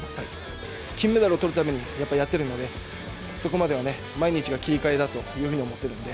金メダルをとるためにやっているのでそこまでは毎日が切り替えだと思っているので。